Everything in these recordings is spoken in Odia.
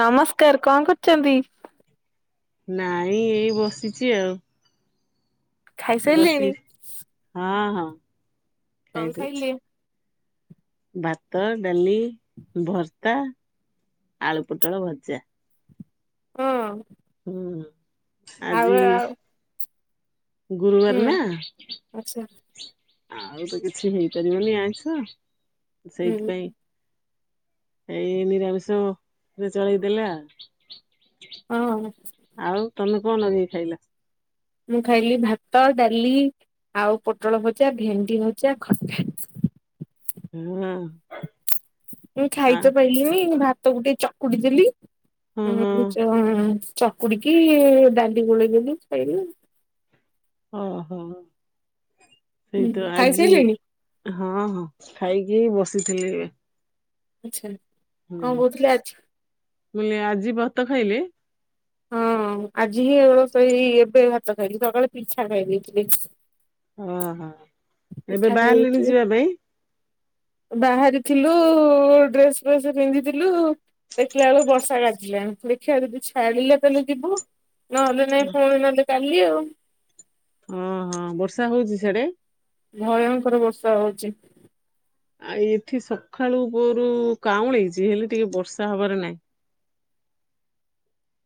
ନମସ୍କାର କଣ କରୁଚନ୍ତି? ନାଇଁ ଏଇ ବସିଚି ଆଉ। ବସି ଖାଇସାରିଲେଣି? ହଁ, ହଁ। କଣ ଖାଇସାରିଛି। ଖାଇଲେ? ଭାତ, ଡାଲି, ଭର୍ତା, ଆଳୁ ପୋଟଳ ଭଜା। ହଁ। ହୁଁ ଆଉ ଆଜି ଆଉ ଗୁରୁବାର ହୁଁ ନା। ଆଚ୍ଛା ଆଉ ତ କିଛି ହେଇପାରିବନି ଆଇଁଷ ହୁଁ ସେଇଥିପାଇଁ ଏଇ ନିରାମିଷ ରେ ଚଳେଇ ଦେଲା ଆଉ। ହଁ। ଆଉ ତମେ କଣ ଲଗେଇକି ଖାଇଲ? ମୁଁ ଖାଇଲି ଭାତ, ଡାଲି, ଆଉ ପୋଟଳ ଭଜା, ଭେଣ୍ଡି ଭଜା ଖଟା। ହଁ। ମୁଁ ଆ ଖାଇତ ପାରିଲିିନି ଭାତ ଗୁଟେ ଚକୁଡ଼ି ଦେଲି ହଁ ହଁ ଉଁ ଚ ଚକୁଡ଼ିକି ଡାଲି ଗୋଳେଇଦେଲି ଖାଇଲି। ଓହୋ ସେଇ ତ ଆଜି ଖାଇସାରିଲେଣି? ହଁ ହଁ ଖାଇକି ବସିଥିଲି। ଆଚ୍ଛା। ମୁ କଣ କହୁଥିଲେ ଆଜି କହିଲି ଆଜି ଭତ ଖାଇଲେ? ହଁ ଆଜି ହିଁ ଏଓଳକ ଏଇ ଏବେ ଭାତ ଖାଇଲି ସକାଳେ ପିଠା ଖାଇ ଦେଇଥିଲି। ଓଁ ହୋ। ପିଠା ଖାଇଦେଇ ଥିଲି। ବାହାରିଥିଲୁ ଡ୍ରେସ୍ ଫେସ୍ ପିନ୍ଧିଥିଲୁ ଦେଖିଲା ବେଳକୁ ବର୍ଷା କାଜିଲାଣି ଦେଖିବା ଯଦି ଛାଡ଼ିଲେ ତାହେଲେ ଯିବୁ। ନହେଲେ ନାଇଁ ପୁଣି ନହେଲେ କାଲି ଆଉ। ହଁ ହଁ ବର୍ଷା ହଉଛି ସିଆଡ଼େ? ଭୟଙ୍କର ବର୍ଷା ହଉଛି। ଆ ଏଠି ସକାଳୁ ପୋହରୁ କାଉଁଳେଇଛି ହେଲେ ଟିକେ ବର୍ଷା ହବାର ନାହିଁ।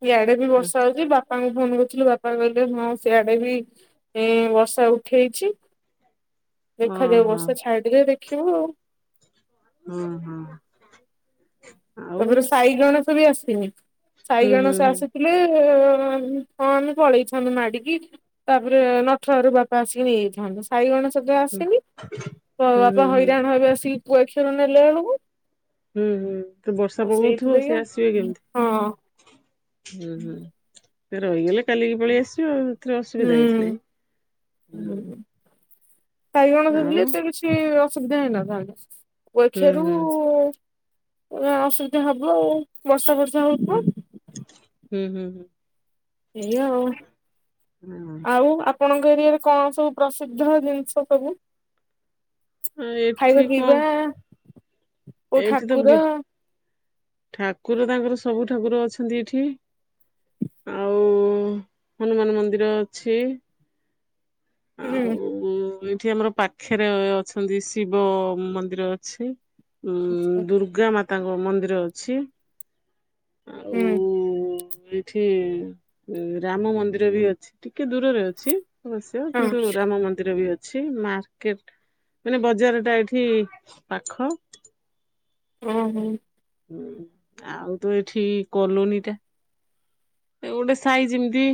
ଇଆଡ଼େ ବି ବର୍ଷା ହଉଛି ବାପାଙ୍କୁ ଫୋନ୍ କରିଥିଲୁ ବାପା କହିଲେ ହଁ ସିଆଡ଼େ ବି ଏ ବର୍ଷା ଉଠେଇଛି ଦେଖାଯାଉ ଓହୋ ବର୍ଷା ଛାଡ଼ିଲେ ଦେଖିବୁ ଆଉ। ହୁଁ ହୁଁ। ତାପରେ ସାଇଗଣେସ ବି ଆସିନି ହୁଁ ହୁଁ ସାଇଗଣେସ ହୁଁ। ଆସି ଲେ ହଁ ଆମେ ପଳେଇ ଥାନ୍ତୁ ମାଡ଼ିକି ତାପରେ ନଠ ଘରୁ ବାପା ଆସିକି ନେଇଯାଇଥାନ୍ତେ। ସାଇଗଣେଷ ତ ଅସିନି ତ ହୁଁ ହୁଁ ବାପା ହୁଁ ହଇରାଣ ହେବେ ଆସିକି କୁଆଖିଅ ରୁ ନେଲା ବେଳକୁ। ହୁଁ ହୁଁ ତ ବର୍ଷା ଆଉ ପକଉଥିବ ସେଇଥିଲାଗି ସେ ଆସିବେ ହଁ କେମିତି? ହୁଁ ହୁଁ ରହିଗଲେ ଚାଲିକି ପଳେଇ ଆସିବ ଆଉ ହେଥିରେ ଅସୁବିଧା କିଛି ହୁଁ ନାହିଁ। ସାଇ ଗଣେଷ ଥିଲେ ଆଉ ଏତେ କିଛି ଅସୁବିଧା ହେଇନଥାନ୍ତା ହୁଁ କୁଆଖିଅ ରୁ ହୁଁ ଏଇଆ ଅସୁବିଧା ହବ ଆଉ ବର୍ଷା ବର୍ଷା ହଉ ହୁଁ ହୁଁ ହୁଁ ହୁଁ। ଏଇଆ ଆଉ ହୁଁ। ଆଉ ଆପ୍ ଆପଣଙ୍କ ଏରିଆରେ କଣ ସବୁ ପ୍ରସିଦ୍ଧ ଜିନିଷ ସବୁ? ଏଠି ଖାଇବା ପିଇବା କୋଉ ଏଇଠି ତ ଠାକୁର ବି ଠାକୁର ତାଙ୍କର ସବୁ ଠାକୁର ଅଛନ୍ତି ଏଠି। ଆଉ ହନୁମାନ ମନ୍ଦିର ଅଛି। ଆଉ ହୁଁ ଏଇଠି ଆମର ପାଖରେ ଅଛନ୍ତି ଶିବ ମନ୍ଦିର ଅଛି। ଉଁ ଦୁର୍ଗା ମାତାଙ୍କ ମନ୍ଦିର ଅଛି। ଆଉ ହୁଁ [unintelligible] ଠି ରାମ ମନ୍ଦିର ବି ଅଛି ଟିକେ ଦୂରରେ ଅଛି। ଅବଶ୍ୟ ହଁ କିନ୍ତୁ ରାମ ମ ନ୍ଦିର ବି ଅଛି ମାର୍କେଟ ମାନେ ବଜାର ଟା ଏଇଠି ପାଖ। ଅ ହୁଁ। ହୁଁ ଆଉ ତ ଏଠି କଲୋନୀ ଟା ଏ ଗୋଟେ ସାଇଜ ଏମିତି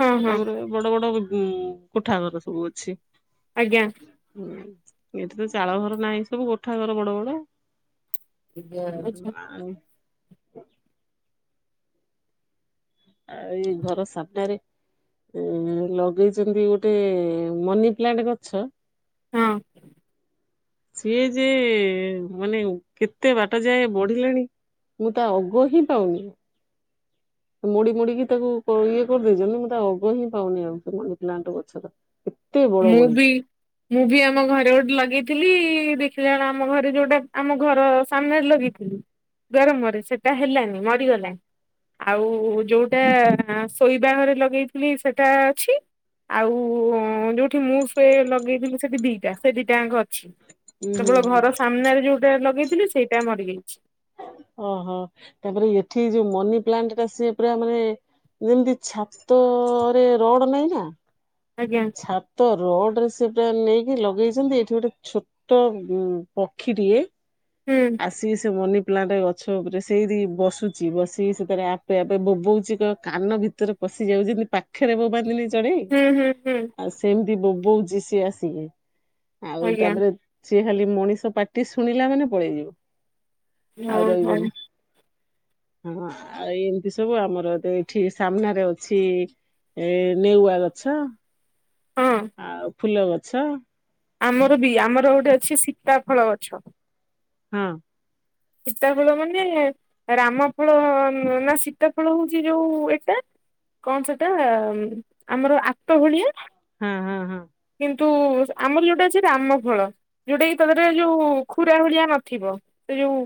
ହଁ ହଁ ଆମର ବଡ ବଡ ଉ କୋଠାଘର ସବୁ ଅଛି। ଆଜ୍ଞା। ହୁଁ ଏଠି ତ ଚାଳ ଘର ନାହିଁ ସବୁ କୋଠା ଘର ବଡ ବଡ। ଆଛା [unintelligible] ଆଉ ଏଇ ଘର ସାମ୍ନାରେ ଏ ଲଗେଇଛନ୍ତି ଗୋଟେ ମନି ପ୍ଲାଣ୍ଟ ଗଛ। ହଁ। ସିଏ ଯେ ମାନେ କେତେ ବାଟ ଯାଏ ବଢିଲାଣି। ମୁଁ ତା ଅଗ ହିଁ ପାଉନି। ମୋଡି ମୋଡିିକି ତାକୁ କ ଇଏ କରିଦେଇଚନ୍ତି। ମୁଁ ତା ଅଗ ହିଁ ପାଉନି ଆଉ ସେ ମଡି ପ୍ଲାଣ୍ଟ ଗଛର। ବଡ ମୁଁ ବଢିଛି। ବି ମୁଁ ବି ଆମ ଘରେ ଗୋଟେ ଲଗେଇଥିଲି, ଦେଖିଲା ବେଳ ଆମ ଘରେ ଯୋଉଟା ଆମ ଘର ସାମ୍ନାରେ ଲଗେଇ ହୁଁ ଦ୍ୱାର ମୁଁହରେ ସେଟା ହେଲାନି ମରିଗଲା। ଆଉ ଯୋଉଟା ଶୋଇବା ଘରେ ଲଗେଇଥିଲି ସେଟା ଅଛି। ଆଉ ଯୋଉ ସେଠି ମୁଁ ସୁଏ ଲଗେଇଥିଲି ସେଠି ଦିଟା ସେ ଦିଟାଙ୍କ ଅଛି। ହୁଁ ହୁଁ କେବଳ ହୁଁ। ଘର ସାମ୍ନାରେ ଯୋଉ ଟା ଲଗେଇଥିଲି ସେଇଟା ମରିଯାଇଚି। ଓହୋ ତାପରେ ଏଠି ଯୋଉ ମନି ପ୍ଲାଣ୍ଟ ଟା ସିଏ ପୁରା ମାନେ ଯେମିତି ଛାତରେ ରଡ ନାହିଁ ନା ଆଜ୍ଞା ଚ୍ଛା ତ ରଡ ରେ ସେପୁରା ନେଇକି ଲଗେଇଚନ୍ତି। ଏଇଠି ଗୋଟେ ଛୋଟ ଉ ପକ୍ଷୀ ହୁଁ। ଆସିିକି ସେ ମନି ପ୍ଲାଣ୍ଟ ଗଛ ଉପରେ ସେଇଠି ବସୁଚି। ବସିକି ସେତାରେ ଆପେ ଆପେ ବୋବଉଛି ଏକ କାନ ଭିତ ଭିତରେ ପଶିଯାଉଚି [unintelligible] ପାଖରେ ବୋବାନ୍ତିନି। ଚଢେଇ ହୁଁ ହୁଁ ହୁଁ ଆଉ ସେମିତି ବୋବୋଉଛି ସିଏ ଆସିକି, ଆଉ ଆଜ୍ଞା ତାପରେ ସିଏ ଖାଲି ମଣିଷ ପାଟି ଶୁଣିଲା ମାନେ ପଳେଇଯିବ, ଆଉ ହଉ ହଉ ରହିବନି। ହଁ ଆଉ ଏମିତି ସବୁ ଆମର ତ ଏଠି ସାମ୍ନାରେ ଅଛି। ଏ ନେଉଆ ଗଛ। ହଁ। ଆଉ ଫୁଲ ଗଛ। ଆମର ବି ଆମର ଗୋଟେ ଅଛି ଶୀତା ଫଳ ଗଛ। ହଁ। ସୀତାଫଳ ମାନେ ରାମଫଳ ନା ସୀତାଫଳ ହୋଉଚି ଯୋଉ ଟା କଣ ସେଟା ଆମର ଆତ ଭଳିଆ। ହଁଁ। କିନ୍ତୁ ଆମର ଯୋଉଟା ଅଛି ରାମ ଫଳ। ଯୋଉଟା କି ତା ଦେରେ ଯୋଉ ଖୁରା [unintelligible] ଭଳିଆ ନଥିବ, ସେ ଯୋଉ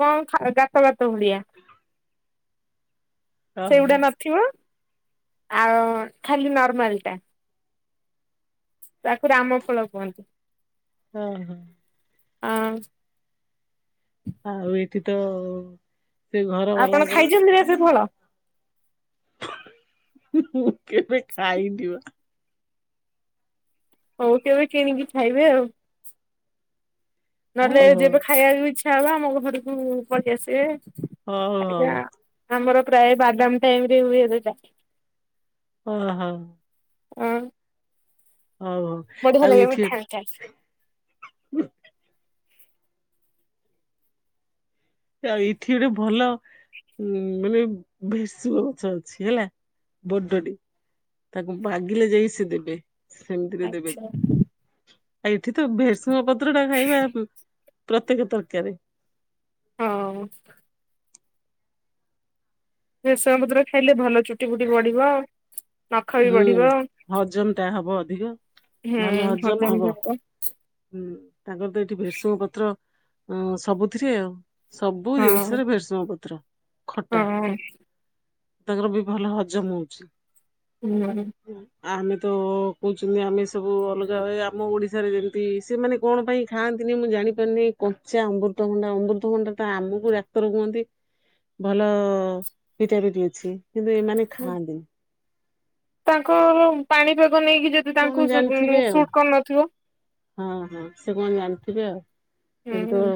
କଣ ଖା ଗାତ ଗାତ ଭଳିଆ, ଓହୋ ସେଗୁଡା ନ ଥିବ ଆଉ ଖାଲି ନର୍ମାଲ ଟା। ତାକୁ ରାମ ଫଳ କୁହନ୍ତିୁ। ହୁଁ ହୁଁ। ହଁ। ଆଉ ଏଇଠି ତ ସେ ଘର ବାଲାଙ୍କର [unintelligible] ସେ ଫଳ। ମୁଁ କେବେ ଖାଇ [unintelligible] ହଉ କେବେ କିଣିକି ଖାଇବେ ଆଉ। ନହେଲେ ହଉ ଯେବେ ଖାଇବାକୁ ଇଚ୍ଛା ହବ, ଆମ ଘରକୁ ପଳି ଆସିବେ। ହୋ ଆଜ୍ଞା ଆମର ପ୍ରାୟ ବାଦାମ ଟାଇମ ରେ ହୁଏ ସେଟା। ଓ ହୋ। ଅଁ ହଉ ହଉ। ବଢ଼ିଆ ଲାଗେ ମିଠା ମିଠା। ଉଁ ଆଉ ଏଇଥିରୁ ଭଲ ଉଁ ମାନେ ଭେଷୁଅ ଗଛ ଅଛି ହେଲା ବଡଟେ। ତାକୁ ମାଗିଲେ ଯାଇ ସେ ଦେବେ, ସେମିତିରେ ଆଚ୍ଛା ଦେବେନି ଆଉ ଏଇଠି ତ ଭେ ସୁଙ୍ଗ ପତ୍ର ଟା ଖାଇବା ପ୍ରତ୍ୟେକ ତରକାରରେ। ହଁ। ଭେସୁଆଁ ପତ୍ର ଖାଇଲେ ଭଲ ଚୁଟି ଫୁଟି ପଡିବ ଆଉ। ହୁଁ ହଜମ ଟା ହବ ଅଧିକା। ହୁଁ ହଜମ କରିବ। ହୁଁ ତାଙ୍କର ତ ଏଇଠି ଭେସୁଙ୍ଗ ପତ୍ର ଅଁ ସବୁଥିରେ ଆଉ। ସବୁ ହଁ ଜିନିଷରେ ଭେଷୁଆଁ ପତ୍ର ଖଟା। ହଁ ତାଙ୍କର ବି ଭଲ ହଜମ ହଉଛି। ହୁଁ। ଆମେ ତ କହୁଛନ୍ତି ଆମେ ସବୁ ଅଲଗା ବାଏ ଆମ ଓଡିଶାରେ ଯେମିତି ସେ ମାନେ କଣ ପାଇଁ ଖାଆନ୍ତିନି ମୁଁ ଜାଣିପାରୁନି କଞ୍ଚା ଅମୃତଭଣ୍ଡା ଅମୃତଭଣ୍ଡାଟା ଆମକୁ ଡାକ୍ତର କୁହନ୍ତି ଭଲ ପିଟାପିଟି ଅଛି କିନ୍ତୁ ଏମାନେ ଖାଆନ୍ତିନି। ତାଙ୍କର ପାଣିପାଗ ନେଇକି ଯଦି କଣ ତାଙ୍କୁ ସୁବ ଜାଣିଥିବେ ଆଉ ସୁଟ୍ କରୁନଥିବ। ହଁ ହଁ ସେ କଣ ଜାଣିଥିବେ ଆଉ ଏଠି ତ ହୁଁ।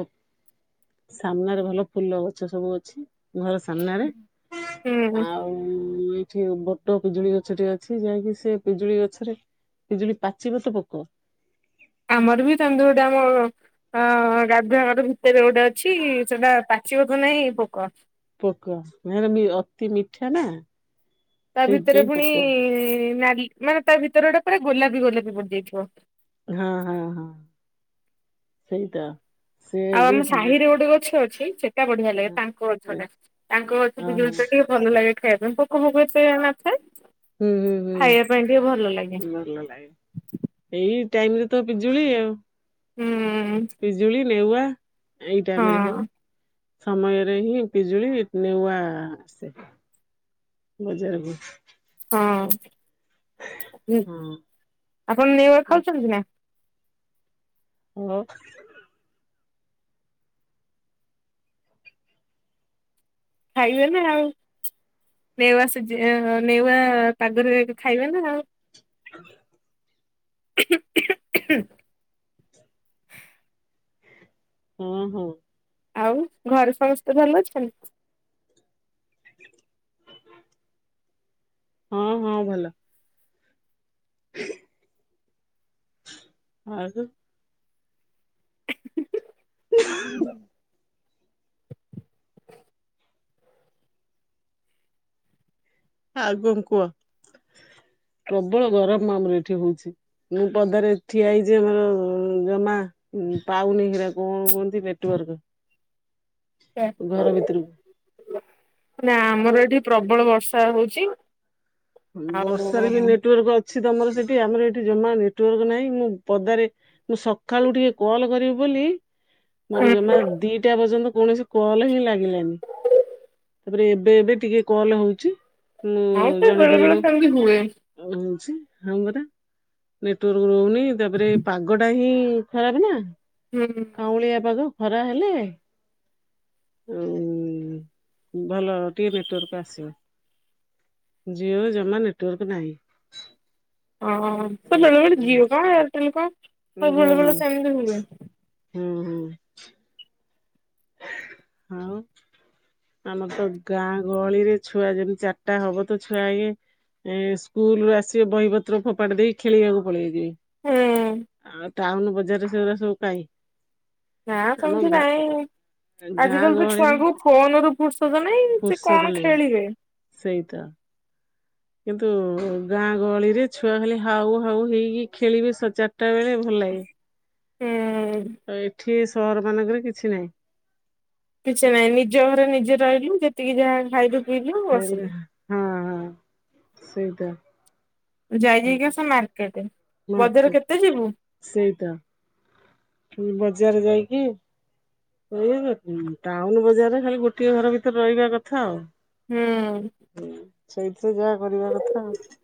ସାମ୍ନାରେ ଭଲ ଫୁଲ ଗଛ ସବୁ ଅଛି। ଘର ସାମ୍ନାରେ ହୁଁ ଆଉ ଏ ଠି ବଟ ପିଜୁଳି ଗଛଟେ ଅଛି ଯାହାକି ସେ ପିଜୁଳି ଗଛରେ ପିଜୁଳି ପାଚିବ ତ ପୋକ। ଆମର ବି ତନ୍ଦୁରଡାମ ଅଁ ଗାଧୁଆ ଘର ଭିତରେ ଗୋଟେ ଅଛି ସେଟା ପାଚିବ ତ ନାଇଁ ପୋକ। ପୋକ ହେରାବି ଅତି ମିଠା ନା। ତା ଭିତରେ ସେଇଥିପାଇଁ ପୁଣି ପୋକ ନାଲି ମାନେ ତା ଭିତରେ ଗୋଟେ ପୁରା ଗୋଲାପି ଗୋଲାପୀ ପଡିଯାଇଥିବ। ହଁ ହଁ ହଁ ସେଇତ। ଆଉ ଆମ ସାହି ରେ ଗୋଟେ ଗଛ ଅଛି ସେଟା ବଢିଆ ଲାଗେ ତାଙ୍କ ଗଛ ଟା ତାଙ୍କ ଗଛ ହଁ ପିଜୁଳି ତ ଟିକେ ଭଲ ଲାଗେ ଖାଇବା ପାଇଁ ପୋକ ଫୋକ ଏତେ ନଥାଏ। ହୁଁ ହୁଁ ହୁଁ ଖାଇବା ପାଇଁ ଟିକେ ଭଲ ଲାଗେ। ଭଲ ଲାଗେ ଏଇ ଟାଇମ ରେ ତ ପିଜୁଳି ଆଉ। ହୁଁ। ବିଜୁଳି ନେଉଆ ଏଇ ଟାଇମରେ ହିଁ ହଁ ସମୟରେ ହିଁ ପିଜୁଳି ନେଉଆ ଆସେ ବଜାରକୁ। ହଁ ହୁଁ ହଁ ଆପଣ ନେଉଆ ଖାଉଚନ୍ତି ନା। ଓ ଖାଇବେ ନା ଆଉ। ନେୱା ସିଜ ଏହୋ ନେୱା ପାଗରେ ଖାଇବେ ନା ଆଉ। [inaudible] ହ ହୁଁ ହୁଁ। ଆଉ ଘରେ ସମସ୍ତେ ଭଲ ଅଛନ୍ତି? ହଁ ହଁ ଭଲ। [unintelligible] ହ ଆଉ କଣ କୁହ। ପ୍ରବଳ ଗରମ ଆମର ଏଠି ହଉଚି। ମୁଁ ପଦାରେ ଠିଆ ହେଇଚି ଆମର ଜମା ପାଉନି ହେରା କଣ କୁହନ୍ତି ନେଟୱାର୍କ। ସେ ଘର ଭିତୁରୁକୁ। ନା ଆମର ଏଠି ପ୍ରବଳ ବର୍ଷା ହଉଚି। ବର୍ଷାରେ ବି ନେଟୱାର୍କ ଅଛି ତମର ସେଠି। ଆମର ଏଠି ଜମା ନେଟୱାର୍କ ନାହିଁ। ମୁଁ ପଦାରେ ମୁଁ ସକାଳୁ ଟିକେ କଲ୍ କରିବି ବୋଲି ମୋର ହୁଁ। ଜମା ଦିଟା ପର୍ଯ୍ୟନ୍ତ କୌଣସି କଲ୍ ହିଁ ଲାଗିଲାନି। ତାପରେ ଏବେ ଏବେ ଟିକେ କଲ୍ ହଉଚି। ହଁ ସେ ବେଳେବେଳେ ସେମିତି ହୁଏ। ଆଉ ହଉଚି ହଁ ପରା। ନେଟୱାର୍କ ରହୁନି ତାପରେ ପାଗଟା ଇ ଖରାପେ ନା। ହୁଁ। କାଉଁଳିଆ ପାଗ। ଖରା ହେଲେ ଭଲ ଟିକେ ନେଟୱାର୍କ ଆସିବ। ଜିଓ ଜମା ନେଟୱାର୍କ ନାହିଁ। ହଁ ସେ ବେଳେବେଳେ ଜିଓ କଣ ଏୟାରଟେଲ୍ କଣ ସବୁ ବେଳେବେଳେ ରହୁନି। ସେମିତି ହୁଏ। ହୁଁ ହୁଁ। ଆଉ ଆମର ତ ଗାଁ ଗହଳିରେ ଛୁଆ ଯେମିତି ଚାରିଟା ହବ ତ ଛୁଆ ଇଏ ଏ ସ୍କୁଲ ରୁ ଆସିବେ ବହିପତ୍ର ଫୋପାଡି ଦେଇ ଖେଳିବାକୁ ପଳେଇବେ। ହୁଁ ଆଉ ଟାଉନ୍ ବଜାରରେ ସେଗୁରା ସବୁ କାଇଁ। ନା ଆମ ସେମିତି ଗାଁ ନାଇଁ, ଗାଁ ଆଜିକାଲି ବି ଗହଳିରେ ଛୁଆଙ୍କୁ ଫୋନ ରୁ ଫୁର୍ସତ୍ ନାଇଁ ସେ ଫୁର୍ସତ କଣ ନାହିଁ ଖେଳିବେ। ସେଇତ। କିନ୍ତୁ ଗାଁ ଗହଳିରେ ଛୁଆ ଖାଲି ହାଉ ହାଉ ହେଇକି ଖେଳିବେ ଚାରିଟା ବେଳେ ଭଲ ଲାଗେ। [unintelligible] ଏଠି ସହର ମାନଙ୍କରେ କିଛି ନାହିଁ। କିଛି ନାହିଁ, ନିଜ ଘରେ ନିଜେ ରହିଲୁ ଯେତିକି ଯାହା ଖାଇଲୁ ପିଇଲୁ ହେଲେ ବସିଲୁ ହଁ ହଁ ସେଇତ। ଯାଇ ଯାଇକି ଆସ ମାର୍କେଟେ, ବଜାର କେତେ ଯିବୁ। ସେଇତ। ବଜାର ଯାଇକି [unintelligible] ଟାଉନ ବଜାରରେ ଖାଲି ଗୋଟିଏ ଘର ଭିତରେ ରହିବା କଥା ଆଉ। ହୁଁ। ହୁଁ ସେଇଥିରେ ଯାହା କରିବା କଥା ଆଉ।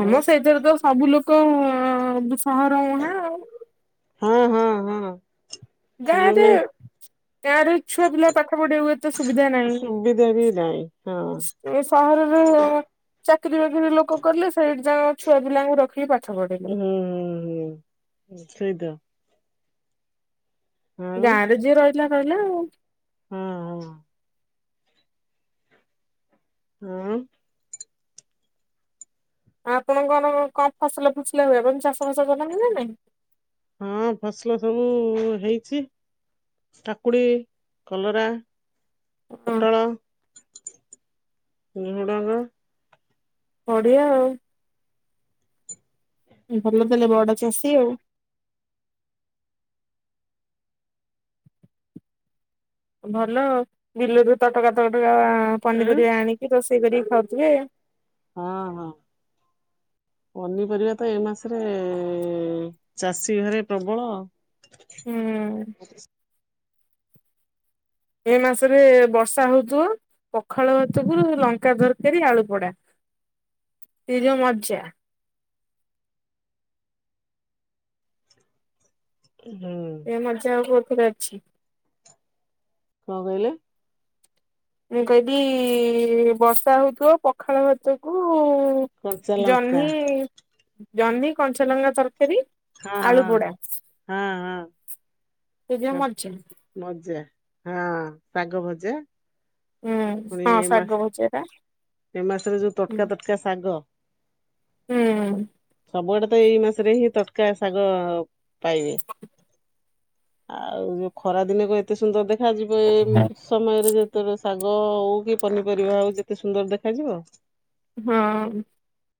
ହଁ ମ ସେଇଥିରେ ତ ସବୁ ଲୋକ ସହର ମୁହଁ ଆଉ। ହୁଁ ହୁଁ ହୁଁ। ଗାଁରେ ଗାଁରେ ଛୁଆ ପିଲା ପାଠ ପଢ଼ିବାକୁ ଏତେ ସୁବିଧା ନାହିଁ ସୁବିଧା ବି ନାହିଁ ହଁ ସୁ ଏ ସହରରେ ଚାକିରୀ ବାକିରି ଲୋକ କଲେ ସେଇଠି ଯା ଛୁଆ ପିଲାଙ୍କୁ ରଖିକି ପାଠ ପଢେଇଲେ। ହୁଁ ହୁଁ ହୁଁ ସେଇତ। ଆଉ ଗାଁରେ ଯିଏ ରହିଲା ରହିଲା ଆଉ। ହୁଁ ହୁଁ। ଉଁ। ଆପଣଙ୍କର କଣ ଫସଲ ଫୁସିଲା ହୁଏ ଏବଂ ଚାଷ ବାସ କରନ୍ତିନା ନାଇଁ? ହୁଁ ଫସଲ ସବୁ ହେଇଚି। କାକୁଡ଼ି କଲରା ହଁ। ପୋଟଳ ସୁଡ଼ଙ୍ଗ ବଡ଼ିଆ ଆଉ। ଭଲ ତାଲେ ବଡ଼ ଚାଷୀ ଆଉ। ଭଲ ବିଲରୁ ତଟକା ତଟକା ପନିପରିବା ଆଣିକି ରୋଷେଇ କରିକି ଖାଉଥିବେ। ହଁ ହଁ ପନିପରିବାତ ଏମାସରେ ଚାଷୀ ଘରେ ପ୍ରବଳ। ହୁଁ। ଏମାସରେ ବର୍ଷା ହଉଥିବ? ପଖାଳ ଭାତକୁରୁ ଲଙ୍କା ତରକାରୀ ଆଳୁ ପଡ଼ା ସେଯୋଉ ମଜା ହୁଁ। ସେମଜା ଆଉ କୋଉଥିରେ ଅଛି। କଁ କହିଲେ? ମୁ କହିଲି ବର୍ଷା ହଉଥିବ ପଖାଳ ଭାତକୁ କଞ୍ଚା ଲଙ୍କା ଜହ୍ନି ଜହ୍ନି କଞ୍ଚାଲଙ୍କା ତରକାରୀ ହଁ ଆଳୁ ପୋଡ଼ା ହଁ ହଁ ସେଜଉ ହଁ ମାଜା। ମଜା ହଁ ଶାଗ ଭଜା। ହୁଁ ପୁଣି ହଁ ଏମାସ୍ ଶାଗ ଭଜାଟା ଏମାସରେ ଯୋଉ ହୁଁ ତଟକା ତଟକା ଶାଗ। ହୁଁ। ସବୁଆଡ଼େତ ଏଇ ମାସରେହିଁ ତଟକା ଶାଗ ପାଇବେ। ଆଉ ଯୋଉ ଖରା ଦିନକୁ ଏତେ ସୁନ୍ଦର ଦେଖ ଯିବ ଏମି ସମୟରେ ଯେତେବେଳେ ଶାଗ ହଉକି ପନିପରିବା ହଉ ଯେତେ ସୁନ୍ଦର ଦେଖାଯିବ? ହଁ।